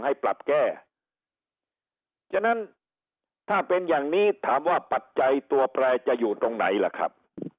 ให้ปรับแก้ฉะนั้นถ้าเป็นอย่างนี้ถามว่าปัจจัยตัวแปรจะอยู่ตรงไหนล่ะครับ